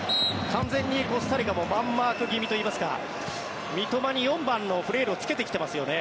完全にコスタリカもマンマーク気味といいますか三笘に４番のフレールをつけてきてますよね。